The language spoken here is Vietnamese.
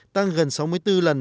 tăng gần sáu mươi bốn lần